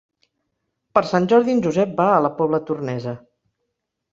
Per Sant Jordi en Josep va a la Pobla Tornesa.